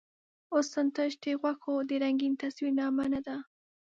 حسن تش د غوښو د رنګین تصویر نامه نۀ ده.